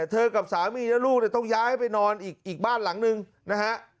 เธอกับสามีและลูกเนี้ยต้องย้ายให้ไปนอนอีกอีกบ้านหลังหนึ่งนะฮะ